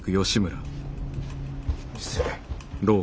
失礼。